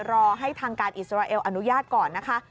รอให้ทางการอิสราเอลอนุญาตก่อนนะคะ